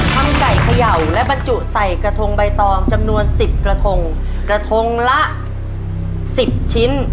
ทำไก่เขย่าและบรรจุใส่กระทงใบตองจำนวนสิบกระทงกระทงละสิบชิ้น